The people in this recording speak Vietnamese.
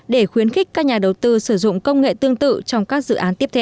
để khuyến khích các nhà đầu tư sử dụng công nghệ tương tự trong các dự án tiếp theo